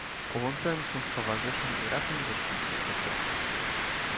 "Połączyłem się z towarzyszem i razem wyszliśmy przed bramę."